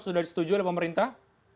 sudah disetujui oleh pemerintah